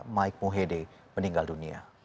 mike mohede meninggal dunia